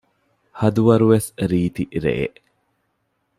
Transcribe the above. ހަދުވަރުވެސް ރީތި ރެއެއް